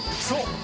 そう！